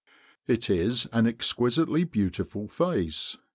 It is an exquisitely beautiful face.